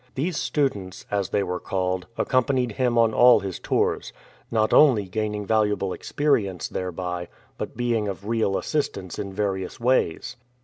These students, as they were called, accom panied him on all his tours, not only gaining valuable experience thereby, but being of real assistance in various ways.